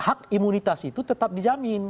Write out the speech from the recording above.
hak imunitas itu tetap dijamin